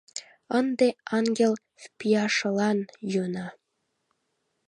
Ынде «ангел впиашылан» йӱына.